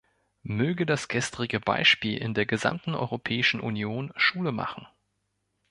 Möge das gestrige Beispiel in der gesamten Europäischen Union Schule machen.